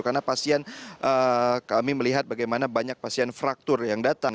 karena pasien kami melihat bagaimana banyak pasien fraktur yang datang